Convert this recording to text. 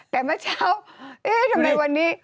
แต่เมื่อเช้าเอ๊ะทำไมวันนี้